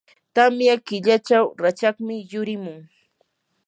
tamya killachaw rachakmi yurimun.